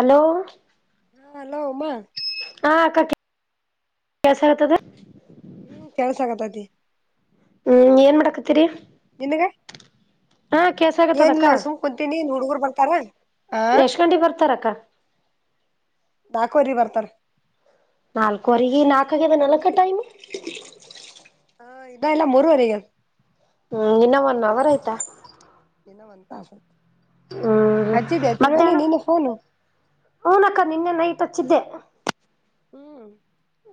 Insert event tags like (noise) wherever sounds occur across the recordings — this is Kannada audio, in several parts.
ಅಲೋ ಹಾ ಹಲೋ ಉಮ ಹಾ ಅಕ್ಕ ಕೆಲಸ ಕತ್ತದ ಹ್ಮ್ ಕೆಲ್ಸ ಆಗತತಿ ಹ್ಮ್ ಏನ್ ಮಾಡಾಕತ್ತೀರಿ ನಿನಗೆ ಹಾ ಕೆಲ್ಸ ಆಗತ್ತದ ಅಕ್ಕ ಏನಿಲ್ಲ ಸುಮ್ ಕುಂತೀನಿ ಇನ್ ಹುಡುಗರು ಬಾರ್ತಾರ ಯಷ್ಟ್ ಗಂಟೆ ಗೆ ಬರ್ತಾರಕ್ಕ ನಾಲ್ಕು ವರೆಗೆ ಬರ್ತಾರೆ ನಾಲ್ಕವರೆಗ ನಾಲ್ಕಾಗದ ನಾಲ್ಕ ಟೈಮ್ ಹ ಇದ ಎಲ್ಲ ಮೂವರೆಗೆ ಹ್ಮ್ ಇನ್ನ ಒನ್ ಅವರ್ ಆಯ್ತಾ ಏನವಂತ ಹ್ಮ್ ಅಚ್ಚಿದ್ದ ಎತ್ರವಣಿ ಮಧ್ಯಾಹ್ನ ನಿನು ಫೋನು ಹೂನಕ್ಕ ನಿನ್ನೆ ನೈಟ್ ಹಚ್ಚಿದ್ದೆ ಹ್ಮ್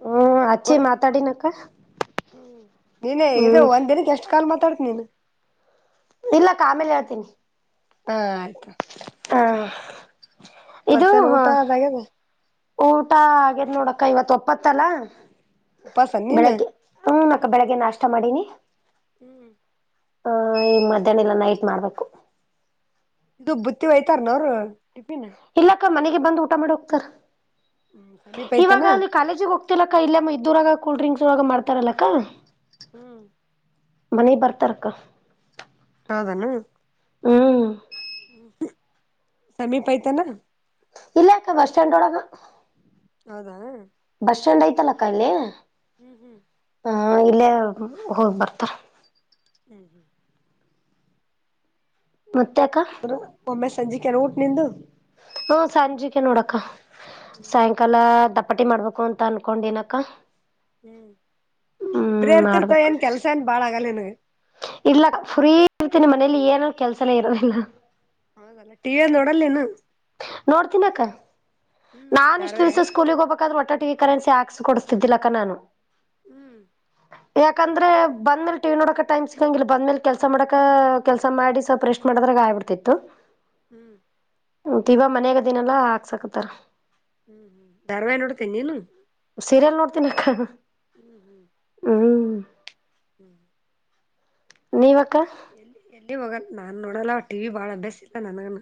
ಹ್ಮ್ ಅಚ್ಚೆ ಮಾತಾಡಿನಕ್ಕ ಹ್ಮ ನೀನ ಇದು ಹ್ಮ್ ಒಂದ್ ದಿನಕ್ಕೆ ಎಷ್ಟ್ ಕಾಲ್ ಮಾತಾಡ್ತಿ ನೀನು ಇಲ್ಲಕ್ಕ ಆಮೇಲೆ ಹೇಳ್ತೀನಿ ಆಯ್ತು ಹಾ ಇದು ಮತ್ತೇನ್ ಊಟ ಅದಾಗ್ಯದ ಊಟ ಆಗೇದ ನೋಡಕ್ಕ ಇವತ್ ಗತ್ತಲ ಉಪವಾಸ ನೀನ್ ಬೆಳಗ್ಗೆ ಹ್ಮ ಅಕ್ಕ ಬೆಳಿಗ್ಗೆ ನಾಷ್ಟ ಮಾಡಿನಿ ಹ್ಮ್ ಹ ಈ ಮಧ್ಯಾಹ್ನ ಇಲ್ಲ ನೈಟ್ ಮಾಡ್ಬೇಕು (unintelligible) ಬುತ್ತಿ ಹಯ್ತಾರನೋರು ಇಲ್ಲಕ್ಕ ಮನೆಗೆ ಬಂದ್ ಊಟ ಮಾಡಿ ಹೋಗ್ತಾರ ಹ್ಮ್ ಸಮೀಪ ಐತಾನ ಇವಾಗ ಅಲ್ಲಿ ಕಾಲೇಜಿಗೆ ಹೋಗ್ತಿಲ್ಲಕ್ಕ ಇಲ್ಲೆ ಇದ್ದೂರಾಗ ಕೂಲ್ ಡ್ರಿಂಕ್ಸ್ ಇವಾಗ ಮಾಡ್ತಾರಲ್ಲಕ್ಕಾ (inaudible) ಮನೆಗ್ ಬರ್ತಾರಕ್ಕ ಹೌದೆನು ಹ್ಮ್ ಸಮೀಪ ಐತೇನೂ ಇಲ್ಲಾಕ್ಕ ಬಸ್ ಸ್ಟಾಂಡ್ ಹೋಳಗ ಹೌದಾ ಚಂಡ ಐತಲ್ಲಕ್ಕಾ ಅಲ್ಲಿ ಹ್ಮ್ ಹ್ಮ್ ಹಾ ಇಲ್ಲೇ ಹೋಗ ಬರ್ತಾರ ಹ್ಮ್ ಮತ್ತೆ ಅಕ್ಕ (unintelligible) ಒಮ್ಮೆ ಸಂಜಿಕ್ಕೆನ ಊಟ್ ನಿಂದು ಹಾ ಸಂಜಿಕೆ ನೋಡಕ್ಕ ಹ್ಮ್ ಸಾಯಂಕಾಲ ಚಪಾತಿ ಮಾಡ್ಬೇಕು ಅಂತ ಅನ್ಕೊಂಡಿನಕ್ಕ ಹ್ಮ್ ಇಬ್ರೆ ಹ್ಮ್ ಇರ್ತಿರ್ತ ಏನ್ ಕೆಲ್ಸ ಏನ್ ಬಾಳ್ ಆಗಲ್ಲ ನಿಂಗ ಇಲ್ಲ ಫ್ರೀ ಇರ್ತಿನಿ ಮನೇಲಿ ಏನು ಕೆಲ್ಸನೇ ಇರೋದಿಲ್ಲ ಹೌದಲ್ಲ ಟಿವಿ (unintelligible) ನೋಡಲ್ ಏನು ನೋಡ್ತೀನಕ್ಕ ಹ್ಮ್ ನಾ ಇಷ್ಟ್ ಧಾರವಾಹಿ ದಿವಸ ಸ್ಕೂಲಿಗೆ ಹೋಗ್ಬೇಕಾದ್ರೆ (unintelligible) ಕರೆನ್ಸಿ ಹಾಕ್ಸ ಕೊಡ್ಸತ್ತಿದ್ದಿಲ್ಲ ಅಕ್ಕ ನಾನು ಹ್ಮ್ ಯಾಕಂದ್ರೆ ಬಂದ್ಮೇಲೆ ಟಿವಿ ನೋಡಕ ಟೈಮ್ ಸಿಗಂಗಿಲ್ಲ ಬಂದ್ಮೇಲ್ ಕೆಲ್ಸ ಮಾಡಕ ಕೆಲ್ಸ ಮಾಡಿ ಸ್ವಲ್ಪ ರೆಸ್ಟ್ ಮಾಡ ಆದ್ರಗಆಗಿಬಿಡ್ತಿತ್ತು ಹ್ಮ್ ಇವಾಗ ಮನ್ಯಾಗ ಇದಿನಲ್ಲಾ ಹಾಕ್ಸಕತಾರ ಧಾರವಾಹಿ ನೋಡ್ತೀಯ ನೀನು ಸೀರಿಯಲ್ ನೋಡ್ತೀನಕ್ಕ (inaudible) (inaudible) ನೀವಕ್ಕ ಎಲ್ಲಿ ಎಲ್ಲಿ ಹೋಗಲ್ಲ ನಾನ್ ನೋಡಲ್ಲ ಟಿವಿ ಬಾಳ ಅಭ್ಯಾಸ ಇಲ್ಲ ನನ್ಗನು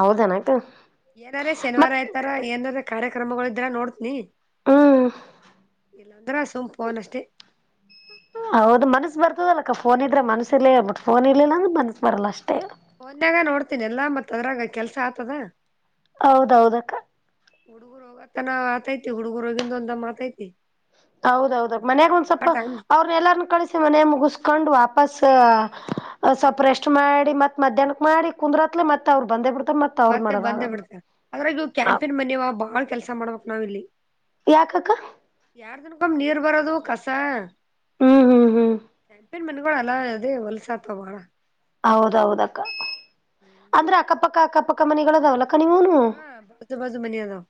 ಹೌದನಕ್ಕ ಏನಾರ ಶನಿವಾರ ಮತ್ ಆಯ್ತಾರ ಏನಾರ ಕಾರ್ಯಕ್ರಮಗಳಿದ್ರ ನೋಡ್ತೀನಿ ಹ್ಮ್ ಇಲ್ಲಾಂದ್ರ ಸುಮ್ಮ ಫೋನ್ ಅಷ್ಟೇ ಹೌದು ಮನಸ್ ಬರ್ತದಲ್ಲಕ್ಕ ಫೋನ್ ಇದ್ರೆ ಮನಸ್ಸ ಇರ್ಲಿ ಬಟ್ಟ ಪೋನ್ ಇಲ್ಲಂದ್ರ ಮನಸ್ ಬರಲ್ಲ ಅಷ್ಟೇ ಪೊನ್ಯಾಗ ನೋಡ್ತೀನಿ ಎಲ್ಲಾ ಮತ್ ಅದ್ರಾಗ ಕೆಲ್ಸ ಆಗ್ತದ ಹೌದ ಹೌದಕ್ಕ ನ ಆತೈತಿ ಹುಡುಗುರು ಗಂದು ಒಂದ ದಮ್ಮ ಅತೈತಿ ಹೌದೌದ ಮನ್ಯಾಗ ಒಂದ್ ಸ್ವಲ್ಪ ಅವ್ರನ್ನ ಎಲ್ಲರನ್ನ ಕಳಿಸಿ ಮನೆ ಮುಗಸ್ಕೊಂಡ್ ವಾಪಸ್ ಸ್ವಲ್ಪ ಹ್ಮ್ ರೆಸ್ಟ್ ಮಾಡಿ ಮತ್ ಮಧ್ಯಾಹ್ನಕ್ ಮಾಡಿ ಕುಂದ್ರತ್ಲೆ ಮತ್ ಅವ್ರು ಬಂದೇ ಬಿಡ್ತಾರೆ ಮತ್ತೆ ಬಂದೇ ಬಿಡ್ತ ಅದ್ರಾಗವು ಕ್ಯಾಂಟಿನ್ ಮನವ ಬಾಳ್ ಕೆಲ್ಸ ಮಾಡ್ಬಕ್ ನಾವ್ ಇಲ್ಲಿ ಯಾಕಕ್ಕ ಎರಡ್ ದಿನ್ಕಂಬೆ ನೀರ್ ಬರೋದು ಕಸ ಹ್ಮ್ ಹ್ಮ್ ಹ್ಮ್ ಚಂಪಿನ್ ಮನೆಗಳು ಅಲ್ಲ ಅದೇ ಹೊಲ್ಸತ್ ಬಾಳ ಹೌದ ಹೌದ ಅಕ್ಕ ಅಂದ್ರೆ ಅಕ್ಕಪಕ್ಕ ಅಕ್ಕಪಕ್ಕ ಮನಿಗಳಿದಾವಲ್ಲಕ್ಕ ಅಕ್ಕ ನೀವನು ಹಾ ಬಾಜು ಬಾಜು ಮನಿ ಅದಾವ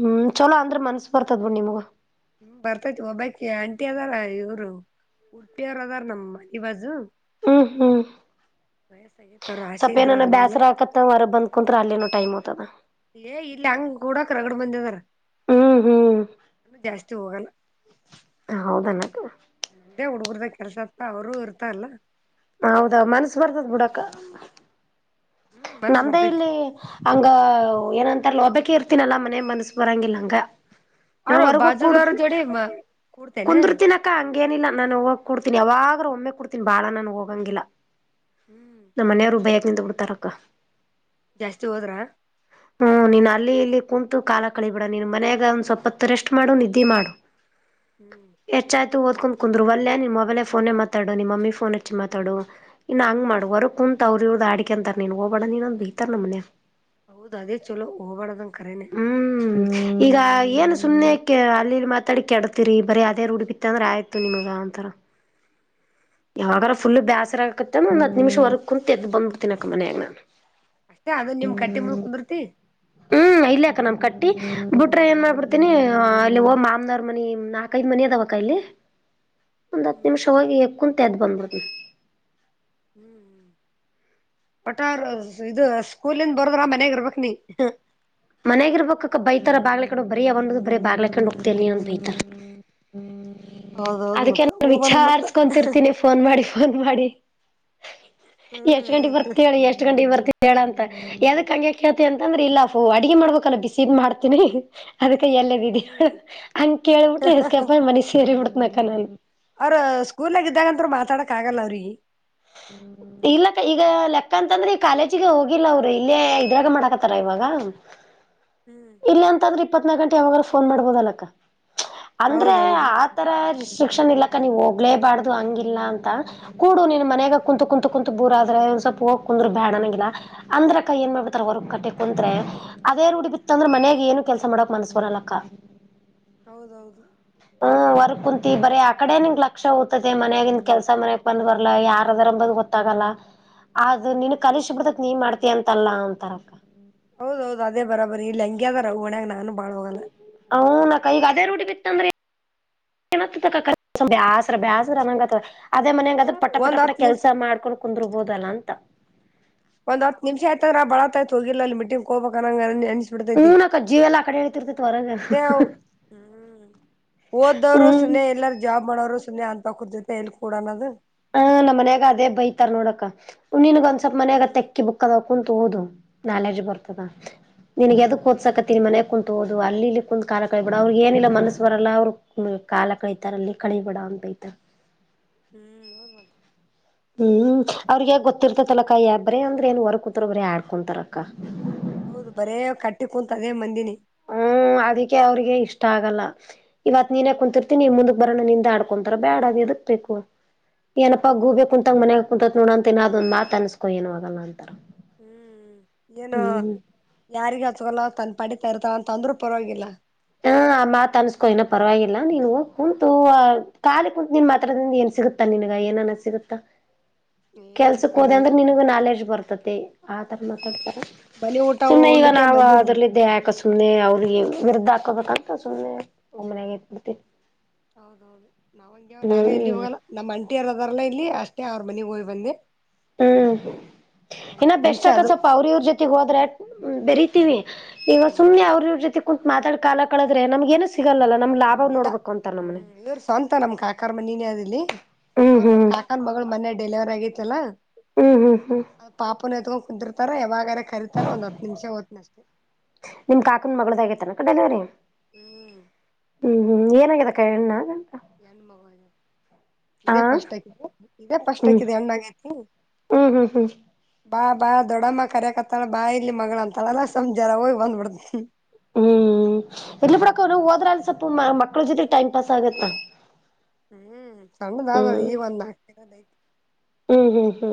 ಹ್ಮ್ ಚಲೋ ಅಂದ್ರ ಮನ್ಸ ಬರ್ತದ್ ಬಿಡ್ ನಿಮಗೂ ಹ್ಮ್ ಬರ್ತೈತಿ ಒಬ್ಬಾಕಿ ಆಂಟಿ ಅದಾರ ಇವರು ಉಡುಪಿಯ್ರ ಅದಾರ ನಮ್ಮ ಮನಿ ಬಾಜು. ಹ್ಮ ಹು. ವಯಸ್ಸಾಗೈತಿ ಅವ್ರ ಆಸೆ ಸ್ವಲ್ಪ ಇದ್ರು ಅವ್ರ ಏನಾನ ಮೊದ್ಲ ಬ್ಯಾಸರ ಆಕತ್ತ ಹೊರ ಬಂದು ಕುಂತ್ರ ಅಲ್ಲೇನ ಟೈಮ್ ಹೋಗತಾದ. ಏ ಇಲ್ಲ ಹಂಗ ಕೂಡಕ ರಗಡ್ ಬಂದಿದಾರ ಹ್ಮ್ ಹ್ಮ್ ಜಾಸ್ತಿ ಹೋಗಲ್ಲ. ಹೌದೇನದ. ನಮ್ದೇ ಹುಡುಗರ್ದಾಗ ಕೆಲ್ಸ ಆತ್ತ ಅವರುೂ ಇರ್ತ ಅಲ್ಲ. ಹೌದಾ ಮನ್ಸು ಬರ್ತದ್ ಬಿುಡಕ್ಕ. ಹ್ಮ್ ಮನಸ್ ನಮ್ದೇ ಬರ್ತೈತಿ ಇಲ್ಲಿ ಹಂಗ ಏನಂ (unintelligible) ತ ವಹಬಾಕಕಿ ಇರ್ತೀನಲ್ಲಾ ಮನೆ ಮನಸ್ ಬರಂಗಿಲ್ಲಂಗ ನ ಅವ್ರು ಹೊರ್ಗ ಹೋಗ್ ಬಾಜುದವ್ರ ಕೊಡ್ತೀ. ಜೋಡಿ ಕೂಡ್ತೇನೆ ಕುಂದರ್ತಿನಕ್ಕ ಹಂಗೇನಿಲ್ಲ ನಾನು ಹೋಗ ಕುಡ್ತಿನಿ ಯವಾಗ. ಒಮ್ಮೆ ಕೊಡ್ತೀನ್ ಬಾಳ ನನ್ಗ್ ಹೋಗಂಗಿಲ್ಲ ಹ್ಮ್ ನಮ್ಮ್ನೆಯವ್ರು ಬಯಕ್ ನಿಂದ ಬಿಡ್ತಾರಕ್ಕ. ಜಾಸ್ತಿ ಹೋದ್ರ. ಹ್ಮ್ ನೀನ್ ಅಲ್ಲಿ ಇಲ್ಲಿ ಕುಂತು ಕಾಲ ಕಳಿಬೇಡ ನೀನ್ ಮನಯಾಗ ಒಂದ್ ಸ್ವಲ್ಪತ್ತು ರೆಸ್ಟ್ ಮಾಡು ನಿದ್ದೆ ಮಾಡು. ಹ್ಮ್ ಓದಕೊಂಡ್ ಕುಂದರು ಒಲ್ಲೆನ್ ಮೊಬೈಲ್ ಫೋನೆ ಮಾತಾಡು ನಿಮ್ಮ ಮಮ್ಮಿ ಫೋನ್ ಹಚ್ಚಿ ಮಾತಾಡು ಇನ್ನು ಹಂಗ ಮಾಡುವ ಹೊ ಕುಂ (unintelligible) ತ ಅವ್ರದ್ ಇವರದು ಆಡಕಂತರೆ ನೀನ್ ಹೋಗಬೇಡ ನೀನ್ ಅಂತ ಬೈತಾರೆ ನಮ್ಮನೆಗೆ. ಹೌದ ಅದೇ ಚಲೋ ಹೋಗಬಾಡದಂಗ ಕರೇನೆ. ಹ್ಮ್ ಈಗ ಏನ್ ಸುಮ್ನೆಕ್ಕೆ ಅಲ್ಲಿಲ್ಲಿ ಮಾತಾಡಿ ಕೆಡತಿರಿ ಬರೀ ಅದೇ ರೂಡಿ ಬಿತ್ತ ಅಂದ್ರೆ ಆಯ್ತು ನಿಮಗ ಅಂತರೆ. ಯಾವಾಗಾರ ಫುಲ್ ಹ್ಮ್ ಬೇಸರ ಆಕತ್ತೆಂದ ಒಂದ ಹತ್ ನಿಮಷ ಹೊರಕುಂತ್ ಎದ್ ಬಂದ್ಬಿಡ್ತೀನಿ ಅಕ್ಕ ಮನ್ಯಾಗ ನಾನು. ಅಷ್ಟೇ ಅದ ನಿಮ್ ಕಟ್ಟಿ ಮುಂದ ಕುುದರ್ತಿ. ಇಲ್ಲಯಾಕ ನಮ್ ಕಟ್ಟಿ ಬಿಟ್ರೆ ಏನ್ ಮಾಡ್ಬಿಡ್ತಿನಿ ಅಲ್ಲಿ ಹೋ ಮಮ್ನಾರ್ ಮನಿ ನಾಲ್ಕಐದ್ ಮನಿ ಅದಾವಕ ಇಲ್ಲಿ. ಹ ಒಂದ್ ಹತ್ ನಿಮಿಷ ಹೋಗಿ ಕುಂತ ಎದ್ದ್ ಬಂದಬಿಡ್ತೀನಿ. ಹ್ಮ್ ಹ್ಮ್ ಒಟ್ಟು ಅವರು ಸ್ಕೂಲಿಂದ ಬರದ್ರ ಮನ್ಯಾಗ ಇರ್ಬಕ್ ನೀ. ಮನೆಗಿರ್ಬಬೇಕ್ಕಕ ಬೈತಾರ ಬಾಗ್ಲಾಕಂಡು ಹೋಗಿ ಬರೀ ಯಾವಾಗ್ ನೋಡಿದ್ರೂ ಬರೆ ಬಾಕ್ಲಾಕ್ಕೊಂಡ್ ಹೋಗ್ತಿಯ ನೀ ಅಂತ ಬೈತಾರೆ. ಹ್ಮ ಹೌದೌದು ಅದಕ್ಕೆ ಮತ್ತ ನಾ ಹೋಗ್ಬಾರ್ದ ಮತ್ತ ವಿಚಾರ್ಸ್ಕೊಂತಿರ್ತೀನಿ ಫೋನ್ ಮಾಡಿ. ಫೋನ್ ಮಾಡಿ ಎಷ್ಟ್ ಗಂಟೆಗೆ ಬರ್ತೇಳಿ ಎಷ್ಟ್ ಗಂಟೆಗ್ ಬರ್ತ ಹೇಳ ಅಂತ. (unintelligible) ಯಾದಕ್ ಹಂಗ್ ಕಳ್ತ್ಯ್ ಅಂತ ಅಂದ್ರೆ ಇಲ್ಲ ಪ್ಪೋ ಅಡ್ಗೆ ಮಾಡ್ಬೇಕಲ್ಲ ಬಿಸಿದ್ ಮಾಡ್ತೀನಿ ಅದಕೈ ಎಲ್ಲೇದಿ ಹೇಳು ಹಂಗ ಕೇಳ್ಬಿಟ್ಟು ಎಸ್ಕಪ್ಪ್ ಆಗಿ ಮನೆ ಸೇರಿ ಬಿಡ್ತನಕ್ಕ ನಾನು. ಅವ್ರ ಸ್ಕೂಲ್ನಾಗ ಇದ್ದಾಗಂತರು ಮಾತಾಡಕ್ ಆಗಲ್ಲ ಅವ್ರಿಗೆ. ಇಲ್ಲಕ್ಕ ಈಗ ಲೆಕ್ಕ ಅಂತಂದ್ರೆ ಈ ಕಾಲೇಜಿಗೆ ಹೋಗಿಲ್ಲ ಅವ್ರು ಇಲ್ಲೇ ಇದ್ರಾಗ ಮಾಡಾಕತ್ತಾರ ಇವಾಗ. ಇಲ್ಲಿ ಅಂತಂದ್ರೆ ಇಪ್ಪತ್ನಾಕ ಗಂಟೆ ಯಾವಾಗ ಫೋನ್ ಮಾಡ್ಬೋದಲ್ಲಕ್ಕ. ಅಂದ್ರೆ ಹೌದೌದು ಆತರ ರಿಸ್ಟ್ರಿಕ್ಷನ್ ಇಲ್ಲ. ನೀವು ಹೋಗ್ಲೇಬಾರ್ದು ಹಂಗಿಲ್ಲ ಅಂತ ಕೂಡು ನಿನ್ ಮನೆಗ ಕುಂತು ಕುಂತು ಕು (unintelligible) ಬೂರ ಆದ್ರೆ ಒಂದ್ ಸ್ವಲ್ಪ ಹೋಗಿ ಕುಂದರು ಬೇಡನಂಗಿಲ್ಲ ಅಂದ್ರಕ್ಕ ಏನ್ ಮಾಡ್ಬತಾರಕ್ಕ ಹೊರ್ ಕಟ್ಟಿ ಕುಂತ್ರೇ ಅದೇ. ಉುಡಿ ಬಿತ್ತ ಅಂದ್ರೆ ಮನ್ಯಾಗ ಏನು ಕೆಲಸ ಮಾಡಕ್ ಮನಸ್ ಬರಲ್ಲಕ್ಕ. ಹೌದೌದು ಹ್ಮ ವರಗ್ ಕುಂತಿ ಬರೀ ಆ ಕಡೆ ನಿಂಗ ಲಕ್ಷ ಓದ್ತದೆ ಮನ್ಯಗಿಂದ ಕೆಲಸ ಮನಯಾಗ ಬಂದ ಬರ್ಲಲ್ಲ ಯಾರ. (unintelligible) ರದಂಬ ಗೊತ್ತಾಗಲ್ಲ ಅದು ನಿನ್ ಕಲಿಸ ಬಿಡ್ತತ್ ನೀ ಮಾಡ್ತಿ ಅಂತಲ್ಲಾ ಅಂತಾರಕ್ಕ. ಹೌದೌದು ಅದೇ ಬರಾಬರಿ (unintelligible) ನಾನು. ಬಾಳ ಹೋಗಲ್ಲ ಹೌನಕ್ಕಾ ನಂಗ್ ಅದೇ ರೂಡಿ ಬಿತ್ (unintelligible) ಇಂದ್ರೆ (unintelligible) ಏನ ಬಾಸ್ರ ಬ್ಯಾಸ್ರ ಅನ್ನಂಗತದ. ಅದೇ ಮನಾಗ ಅಂದ್ರೇ ಪಟ ಪಟ ಒಂದ್ ಪಟ ಹತ್ ನಿಮಿಷ ಕೆಲ್ಸ ಮಾಡ್ಕೊಂಡು ಕುಂದರ್ಬೋದಲ್ಲ ಅಂತ. ಒಂದ್ ಹತ್ ನಿಮಷ ಆಯ್ತಂದ್ರ ಆ ಬಾಳ ಹೊತ್ತು ಆಯ್ತಾ ಹೋಗಿಲ್ಲ ಅಲ್ಲಿ ಮೀಟಿಂಗಿಗೆ ಹೋಗಬೇಕಕ್ಂಗ (unintelligible) ಡದ ಇದ್ದ ಹ್ಮ್ ನಕ್ಕ ಜೀವ ಎಲ್ಲ ಆ ಕಡೆ ಹೇಳ್ತಿರ್ತೈತ್ ಹೊರಗ ಸುಮ್ನೇ ಹ್ಮ. ಓದವ್ರು ಹ್ಮ್ ಸುಮ್ಮನೆ ಎಲ್ಲಾರ ಜಾಬ್ ಮಾಡೋರು ಸುಮ್ಮನೆ ಅಂತ ಕುುದೊತೆ ಎಲ್ ಕೂಡನದು. ಹ ನಮ್ಮ್ ಮನ್ಯಾಗ ಅದೇ ಬೈತಾರ ನೋಡಕ ನಿನ್ಗ ಒಂದ ಸ್ವಲ್ಪ ಮನ್ಯಾಗ ಹ್ಮ್ ತೆಕ್ಕಿ ಬುಕ್ಕ. ಕುಂತ್ ಓದು ನಾಲೆಜ್ ಬರ್ತದ. ನಿನಗ್ ಅದಕ್ ಓದ್ಸಕತ್ತಿನ ಮನೆಗ್ ಕುಂತ್ ಓದು ಅ ಇಲ್ಲಿ ಇಲ್ಲಿ ಕುಂತ್ ಕಾಲ ಕಳಿ ಬಿಡ ಅವ್ರಿ ಏನಿಲ್ಲ ಮನಸ್ಸ ಬರಲ್ಲ ಅವ್ರ ಕಾಲ ಕಳಿತಾರ ಅಲ್ಲಿ ಕಲೀಬೇಡ ಅಂತ ಆಯ್ತೆ ಹ್ಮ್ ಹೌದ್ ಮತ್ ಹ್ಮ್ ಅವ್ರಗಗ್ ಹ್ಮ್. ಗೊತ್ತಿರ್ತತಲಕ್ಕ ಯ ಬ್ರೀ ಅಂದ್ರ ಏನ್ ಹೊರ್ ಕುೂತ್ರ ಅಂದ್ರೆ ಆಡ್ಕೊಂತಾರಕ್ಕ ಹೌದು ಬರೇ ಕಟ್ಟಿ ಕುಂತ ಅದೇ ಮಂದಿನಿ ಹ್ಮ್ ಅದಕ್ಕೆ ಅವ್ರಿಗೆ ಇಷ್ಟ ಆಗಲ್ಲ ಇವತ್ ನೀನೇ ಹೌದ್ ಕುತಿರ್ತೀನಿ ಮುಂದ ಬರೋಣ ನಿಂದ ಆಡ್ಕೊಂತಾರ ಬ್ಯಾಡ ಅದು ಎದಕ್ ಬೇಕು ಏನಪ್ಪಾ ಗೂಬೆ ಹೌದೌದು ಕುಂತಂಗ ಮನೆ ಕುಂತತ್ ನೋಡ ಮತ್ತ ಅದೊಂದು ಮಾತ ಅನ್ಸ್ಕೊಏನು ಆಗಲ್ಲ ಅಂತ ಹ್ಮ್ ಏನು ಯಾರಿಗ ತನ್ ಪಡಿತಾ ಇರ್ತಾರ ಅಂತ ಅಂದ್ರರು ಪರವಾಗಿಲ್ಲ ಹಾ ಆ ಮಾತ್ ಅನ್ಸ್ಕೋ ಇನ ಪರವಾಗಿಲ್ಲಾ ನೀನ್ ಕುಂತು ಕಾಲಿ ಕುಂತು ನಿನ್ ಮಾತ್ರದಿಂದ ಏನ್ ಸಿಗುತ್ತಾ ನನ್ಗ ಏನನ್ನ ಸಿಗುತ್ತಾ ಏನಿಲ್ಲ ಕೆಲ್ಸಕ್ ಹೋದೆ ಕರೆನೆ. ಅಂದ್ರೆ ನಿನಗ ನಾಲೆಜ್ ಬರ್ತತಿ ಆತರ ಮಾತಾಡ್ತಾರ ಮನಿ ಊಟ ಸುಮ್ನೆ ಈಗ ಉಂಡಕೆ ನಾವು ಬಂದಿದ್ನಿ. ಅದ್ರಲ್ಲ ಇದಿದ್ದೆ ಯಾಕ ಸುಮ್ಮನೆ ಅವ್ರಿಗೆ ವಿರುದ್ದ ಆಗಬೇಕು ಅಂತ ಸುಮ್ನೆ ಮನೆಗೆ ಇದ್ದುಬಿಡ್ತಿವಿ ಹೌದೌದು ನಾನು ಎಲ್ಲಿ ಹೋಗಲ್ಲ ನಮ್ಮ ಅಂಟಿ ಯಾರ ಅದ್ರಲ್ಲಾ ಇಲ್ಲಿ ಅಷ್ಟೇ ಅವ್ರ ಮನೆಗ್ ಹೋಗ್ ಬಂದೆ ಹ್ಮ್ ಒಂದ್ ಇನ್ನ ಹತ್ತ್ ಬೆಸ್ಟ್ ನಿಮಿಷ ಅಕ್ಕಾ ಅದು ಸ್ವಲ್ಪ ಅವ್ರ ಜೊತೆ ಇವ್ರು ಜೊತೆ ಹೋದ್ರೆಬೆರಿ ಈಗ ಹ್ಮ್ ಸುಮ್ಮನೆ ಅವ್ರ್ರ ಇವ್ರು ಜೊತಿ ಕುಂತ್ ಮಾತಾಡ ಕಾಲ ಕಳಿದ್ರೆ ನಮಗೆ ಏನು ಸಿಗಲ್ಲಲ್ಲ ನಮ್ ಹ್ಮ್ ಲಾಭ ಇಲ್ಲ. ನೋಡ್ಬೇಕು ಅಂತಾರ ನಮ್ಮನೆ ಹ್ಮ್ ಇವ್ರ ಸ್ವಂತ ನಮ್ ಕಾಕಾರ್ ಮನಿನೇ ಅದಿಲ್ಲಿ. ಹ್ಮ್ ಅವ್ರ ಹ್ಮ್ ನಮ್ ಕಾಕನ್ ಮಗಳು ಮನ್ ಡೆಲಿವರ್ ಆಗಿತ್ತಲ್ಲ ಹ್ಮ್ ಹ್ಮ್ ಹ್ಮ್ ಅದ ಪಾಪನ ಎತ್ಕೊಂ ಕುದಿರ್ತಾರ ಯಾವಾಗಾರ ಕರೀತಾರ ಒಂದ್ ಹತ್ತು ನಿಮಿಷ ಹದ್ತನ ಅಷ್ಟೇ ನಿಮ ಕಾಕನ್ ಮಗಳ ಆಗೈತಾನೆಕ್ಕ ಡೆಲಿವರಿ ಹ್ಮ್ ಹ್ಮ್ ಹ್ಮ ಏ (unintelligible) ಹೆಣ್ಣಾ ಹೆಣ್ಣು ಮಗು ಆ ಇದೇ ಫಸ್ಟ್ ಆಕಿದೆ ಇದೇ ಫಸ್ಟ್ ಆಕಿದೆ ಹೆಣ್ಣು ಆಗೈತಿ ಹ್ಮ ಬಾ ಬಾ ದೊಡಮ್ಮ ಕರ್ಯಕತ್ತಾಳ ಬಾ ಇಲ್ಲಿ ಮಗಳ ಅಂತಳಲ್ಲಾ ಸಂಜಾರ ಹೋಗ್ ಬಂದ್ಬಿಡ ಹ್ಮ್ ಇರಲಿ ಬಿಡಕ್ಕ ಹೋದ್ರ ಅಲ್ಲಿ ಸ್ವಲ್ಪ ಮಕ್ಳ ಜೊತೆ ಟೈಮ್ ಪಾಸ್ ಆಗತ್ತ ಹ್ಮ್ ಸಣ್ಣದ ಹ್ಮ್ ಈಗ ಒಂದು ನಾಕು ಹ್ಮ್ ಹ್ಮ್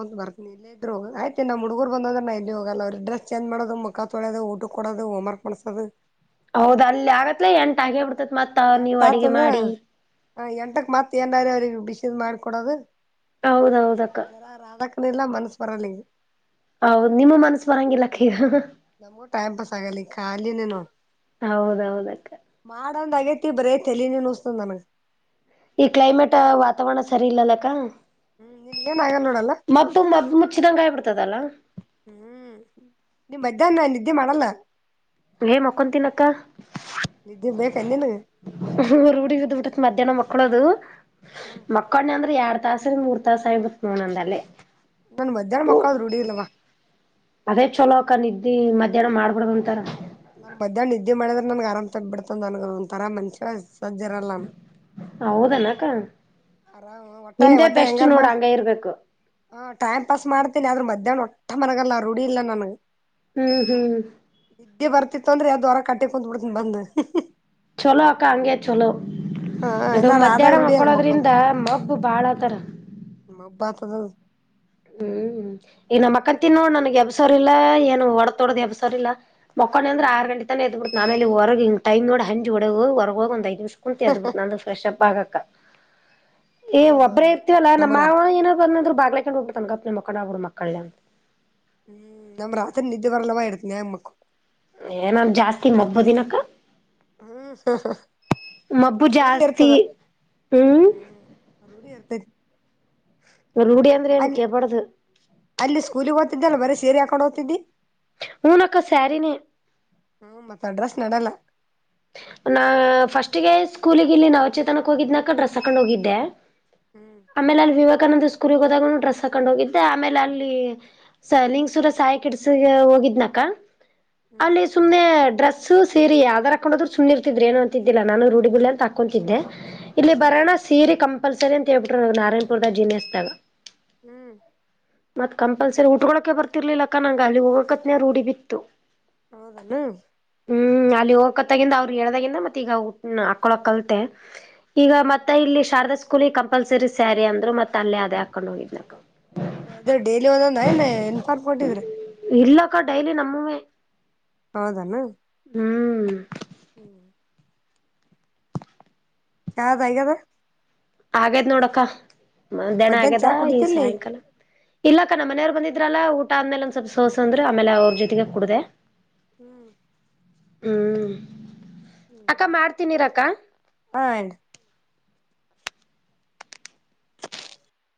ಒಂತ ಬರ್ತೀನಿ ಅಂದಿದ್ರು ಆಯ್ ನಮ್ಮ ಹುಡುಗರು ಬಂದದ್ರನು ಎಲ್ಲಿ ಹೋಗಲ್ಲ ಅವ್ರ ಡ್ರೆಸ್ ಚೇಂಜ್ ಮಾಡೋ ಮುಕ್ಕ ತೊಳೋ ಊಟಕ್ಕ ಕೊಡದ ಹೋಂವರ್ಕ್ ಮಾಡಿಸೋದು ಹೌದ್ ಅಲ್ಲಿ ಆಗತ್ಲ ಎಂಟೆ ಬಿಡ್ತತ್ ಮತ್ತ ನೀವು ಎಂಟ ಅಡಗೆ ಆತದ ಮಾಡಿ ಎಂಟಕ್ ಮತ್ ಏನಾರ ಅವ್ರರಿಗೆ ಬಿಸಿದು ಮಾಡಿಕೊಡೋದು ಹೌದೌದ ಅಕ್ಕ ಅ ಎಲ್ಲಾ ಮನಸ್ಸು ಬರಲಿ ಹೌದು ನಿಮ್ಮ ಮನಸ್ ಬರಂಗಿಲ್ಲ ಅಕ್ಕಾ ಈಗ ನಮ್ಗೂ ಟೈಮ್ ಪಾಸ್ ಆಗಲಿ ಖಾಲಿನೆ ನೋಡು ಹೌದೌದಕ್ಕ ನೊಂದ್ ಆಗೇತಿ ಬರೀ ತಲೇನೆ ನುಸ್ತನ ನನಗೆ ಈ ಕ್ಲೈಮೇಟ್ ವಾತಾವರಣ ಸರಿ ಇಲ್ಲಲ್ಲಕ್ಕ ಹ್ಮ್ ನಿನ್ಗ್ ಏನ್ ಆಗಲ್ ನೋಡಲ್ಲ ಮತ್ತು ಮದ್ದು ಮುಚ್ಚಿದಂಗ ಹಾಗಿ ಬಿಡ್ತದಲ್ಲ ಹ್ಮ್ ನಿಮ್ ಮಧ್ಯಾಹ್ನ ನಿದ್ದೆ ಮಾಡಲ್ಲ ಹೇ ಮಕ್ಕೊಂತಿನಿ ಅಕ್ಕಾ ನಿದ್ದೆ ಬೇಕೇನ್ ನಿನಗ್ ರೂಢಿ ಆಗಿಬಿತೈತೆ ಮಧ್ಯಾಹ್ನ ಮಕ್ಕಳೋದು ಮಕ್ಕನ ಅಂದ್ರ ಎರಡ್ ತಾಸ್ರ ಮೂರ್ ತಾಸ ಆಗಿಬಿಡುತೆ ನೋಡು ಅಲ್ಲೇ ನನ್ ಮಧ್ಯಾಹ್ನ ಮಕ್ಕೊಳದ್ ರೂಢಿ ಇಲ್ಲವ್ವ ಅದೇ ಚಲೋ ಅಕ್ಕ ನಿದ್ದಿ ಮಧ್ಯಾಹ್ನ ಮಾಡಬರ್ದು ಅಂತಾರ ನನ್ ಮಧ್ಯಾಹ್ನ ನಿದ್ದೆ ಮಾಡಿದ್ರೆ ನನ್ಗೆ ಆರಾಮ್ ತಗ ಬಿಡ್ತಂದ ನನ್ ಒಂಂತರಾ ಮನಸ್ಸೇ ಸಜ್ಜರಲ್ಲ ಹೌದನಕ್ಕ ಒಟ್ಟಾಯ ನಿಮ್ದೇ ಒಟ್ಟಾಯ ಬೆಸ್ಟ್ ಹೆಂಗಾರ ನೋಡ್ ಮಾಡ ಹಂಗ ಇರ್ಬೇಕು ಹಾ ಟೈಮ್ ಪಾಸ್ ಮಾಡ್ತೇನಿ ಆದ್ರೂ ಮಧ್ಯಾಹ್ನ ಒಟ್ಟ ಮಲಗಲ್ಲ ರೂಢಿ ಇಲ್ಲ ನನ್ಗೆ ಹ್ಮ್ ಹ್ಮ್ ಬರ್ತಿತ್ತು ಅಂದ್ರೆ ಯಾವದ್ ವಾರ ಕಟ್ಟಿ ಕುಂತತ್ಬ ಬಿಡ್ತನ ಬಂದು ಚಲೋ ಅಕ್ಕ ಅಂಗೆ ಚಲೋ ಹ ಅದು ಇನ್ನ ರಾಧಾಗ್ ಮಧ್ಯಾಹ್ನ ರೂಢಿ ಅದ್ ಮಕ್ಕಳೋದ್ರಿಂದ ಮಗ್ಗು ಬಾಳ ತರ ಮಬಾತದ ಹ್ಮ್ ಈ ನ ಮಕ್ಕ ತಿನ್ ನೋಡ್ ನನ್ಗೆ ಎಬ್ಸರ್ ಇಲ್ಲಾ ಏನು ಹೊಡತೊಡದ್ ಎಬ್ಸರ್ ಇಲ್ಲಾ ಮಕ್ಕೊಂಡನ ಅಂದ್ರ ಆರು ಗಂಟೆನೆ ಎತ್ಬ ಬಿಟ್ಟು ಆಮೇಲೆ ಹೊಗ ಹಿ ಟೈಮ ನೋಡ್ ಹಂಜ ಹೊಡೆ ಹೊರಗ ಹೋಗ ಒಂದೈ್ತಿ ಜ್ ಕುಂತ ಅ್ಬ ಬಿು ಅ ಫ್ರೆ್ಪ್ ಆಗಕ ಏ ಒಬ್ಬ್ರ ಹೌದೌದು ಇರ್ತಿವಲ್ಲ ನಮ್ಮ ನಮ್ ರಾ ಮಾವನ ಏನೋ ಬಂದ್ರು ಬ್ಲೆಕಂಡ್ ಉಂ್ರ ತಂಗತ್ನ ಮಕ್ಕಡ ಕೊಡ ಮಕ್ಕಳಲ್ಲ ಹ್ಮ್ ನಮ್ಮ್ ರತ ನತಿ ಬರಲವಾ ಎತನ ನಮಕ್ಕ ಏನಾಮ್ ಜಾಸ್ತಿ ಮಗ್ಬೋದಿನಕ್ಕ ಹ್ಮ್ ಹ ಮಬ್ಬು ಜಾಸ್ತಿ ಹ್ಮ್ ರೂಢಿ ಇರ್ತೈತಿ ಒ ರಡಿಯ ಅಂದ್ರನ ಅಲ್ಲಿ ಕಪಡದು ಅಲ್ಲಿ ಸ್ಕೂಲಿಗೆ ಹಓ್ತಿದ್ದಲ್ಲ ಬರೀ ಸೀರೆ ಹಾಕೊಂಡು ಹಓ್ತಿದ್ದಿ ಹುನ ಅಕ್ಕ ಸ್ಯರಿನ ಹ್ಮ್ ಮತ್ತ ಅಡ್ರೆಸ್ ನಡಲ್ಲ ನಾ ಫಸ್ಟ್ಗೆ ಸ್ಕೂಲಗ ಇಲ್ಲಿ ನಾಚೇತನಕ್ಕೆ ಹೋಗಿದ್ದ್ನಕೊಂಡ್ರೆ ಹಾಕೊಂಡು ಹೋಗಿದ್ದೆ ಹ್ಮ್ ಆಮೇಲೆ ಅಲ್ಲಿ ವಿವ ಸ್ಕೂಲ್ಗ್ ಹೋದಾಗ ಡ್ರೆಸ್ ಹಾಕೊಂಡ್ ಹೋಗಿದ್ದೆ ಆಮೇಲೆ ಅಲ್ಲಿ ಲಿಂಗಸೂರ ಸಾಯಿ ಕಿಡ್ಸ ಹೋಗಿದ್ನಕ ಹ ಅಲ್ಲಿ ಸುಮ್ನೆ ಡ್ರೆಸ್ಸ ಸೀರಿ ಅದರ ಾಕೊಂಡೋದ್ರರು ಸುಮ್ಮ್ ಇರ್ತಿದ್ರ ಏನು ಅಂತಿಲ್ಲ ನಾನು ರೂಢಿಬಳ್ಳಿ ಅಂತ ಹಾಕೊತಿದ್ದೆ ಇಲ್ಲಿ ಹ್ಮ್ ಬರೋಣ ಸೀರಿ ಕ ಕಂಲ್ಸರಿ ಅಂತ ಹೇಳ್ಬಿಟ್ರ ನಾರಾಯಣಪುರ್ದ ಜಿನೆಸ್್ದಾಗ ಹ್ಮ್ ಮತ್ ಕಂಪಲ್ಸರಿ ಉಟ್ಕೊಕೆ ಬರ್ತಿರ್ಲಿಲ್ಲಕ್ಕ ನಂಗೆ ಅಲ್ಲಿ ಹೋಗಕತ್ನ ರೂಢಡಿ ಬಿತ್ತು ಹೌದಣ ಹ್ಮ್ ಅಲ್ಲಿ ಹೋಗಕತ್ತತಾಗಿಂದ ಅವ್ರು ಹೇಳ್ದಾಗಿಂದ ಮತ್ತೆ ಈಗ ಹಾಕ್ಕಳೋ ಕಲತೆ ಈಗ ಮತ್ತೆ ಇಲ್ಲಿ ಶಾರದಾ ಸ್ಕೂಲಿ ಕ ಕಂಪಲ್ಸರಿ ಸ್ಯಾರಿ ಅಂದ್ ಮತ್ತತ್ ಅಲ್ಲೇ ಅದೇ ಹಾಕೊಂಡ್ ಹೋಗಿದ್ನ ಇ ಇದ್ರ ಡೈಲಿ ಒಂದ ಏನ್ ಇನ್ಫಾರ್ ಕೊಟ್ಟಿದ್ರಿ ಇಲ್ಲಕ್ಕ ಡೈಲಿ ನಮ್ಮೇ ಹೌದಾನ ಹ್ಮ್ ಹ್ಮ್ ಯಾದ ಈಗದ ಆಗೇದ್ ನೋಡಕ್ಕ ಮ ದಣ ಮಧ್ಯಾಹ್ನ ಆಗ್ಯದ ಚಾ ಈ ಕುಡಿತಿಲ್ ನೀ ಸಾಯಂಕಾಲ ಇಲ್ಲಕ್ಕ ನಮ್ಮ ಮನೆಯವ್ರ ಬಂದಿದ್ದ ಇದ್ರಲ್ಲಾ ಊಟ ಆದ್ಮೇಲೆ ಒಂದ ಸ್ವಲ್ಪ ಸೋಸ ಅಂದ್ರ ಆಮೇಲೆ ಅವ್ರ ಜೊತೆಗೆ ಕುಡದೆ ಹ್ಮ್ ಹ್ಮ್ ಅಕ್ಕ ಮಾಡ್ತನಿರಕ್ಕ ಹಾ